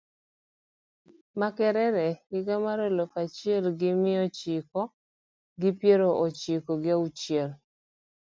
Makerere higa mar aluf achiel gi miya chiko gi piero chiko gi auchiel